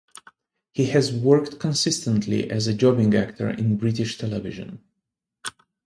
He has worked consistently as a jobbing actor in British television.